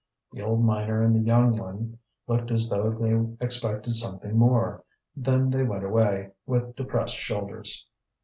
The old miner and the young one looked as though they expected something more; then they went away with depressed shoulders.